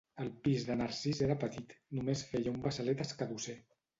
El pis de Narcís era petit: només feia un bassalet escadusser.